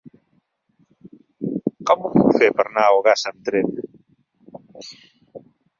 Com ho puc fer per anar a Ogassa amb tren?